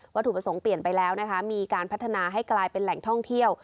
ถูกประสงค์เปลี่ยนไปแล้วนะคะมีการพัฒนาให้กลายเป็นแหล่งท่องเที่ยว